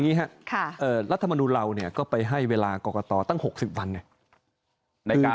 อย่างนี้ครับรัฐมนุนเราเนี่ยก็ไปให้เวลากรกตตั้ง๖๐วันในการ